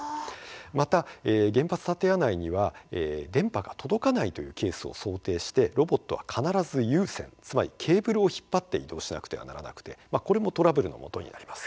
また原発建屋内には電波が届かないというケースを想定してロボットは必ず有線つまりケーブルを引っ張って移動しなくてはならなくてこれもトラブルのもとになります。